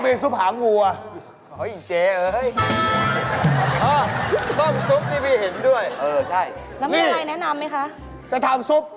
มันฝรั่งราคาไม่แพง